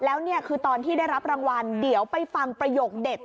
แล้วนี่คือตอนที่ได้รับรางวัลเดี๋ยวไปฟังประโยคเด็ด